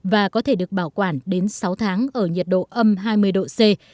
và có thể được bảo quản đến sáu tháng ở nhiệt độ âm hai mươi độ c